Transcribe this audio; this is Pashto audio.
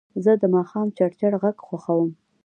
زه د ماښام چړچړ غږ خوښوم.